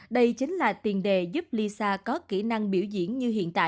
đây chính là tiền đề giúp lisa có kỹ năng biểu diễn